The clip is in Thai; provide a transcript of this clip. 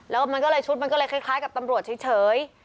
แล้วมันก็เลยชุดมันก็เลยคล้ายกับตำรวจเฉย